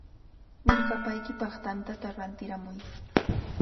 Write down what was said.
¡Mirkapaykipaq tantata rantiramuy!